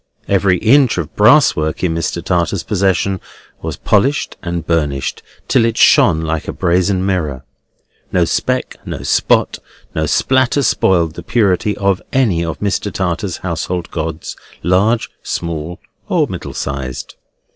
Every inch of brass work in Mr. Tartar's possession was polished and burnished, till it shone like a brazen mirror. No speck, nor spot, nor spatter soiled the purity of any of Mr. Tartar's household gods, large, small, or middle sized.